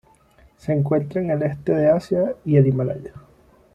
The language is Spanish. Se encuentra en el este de Asia y el Himalaya.